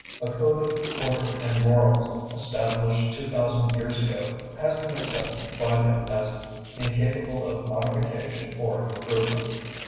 A code of order and morals established two thousand years ago has been accepted by them as incapable of modification or improvement.